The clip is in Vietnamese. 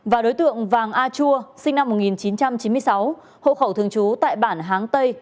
và đối tượng vàng a chua sinh năm một nghìn chín trăm chín mươi sáu hộ khẩu thường trú tại bản háng tây